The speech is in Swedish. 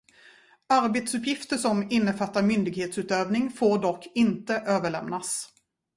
Arbetsuppgifter som innefattar myndighetsutövning får dock inte överlämnas.